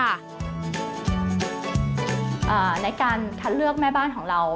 ในการคัดเลือกแม่บ้านของเรา